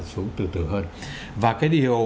xuống từ từ hơn và cái điều